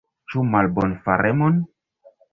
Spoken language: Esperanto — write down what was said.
Ĉu malbonfaremon?